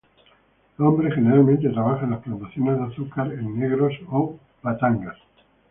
Los hombres generalmente trabajan en las plantaciones de azúcar en Negros o Batangas.